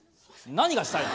何がしたいの？